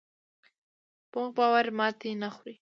پوخ باور ماتې نه خوري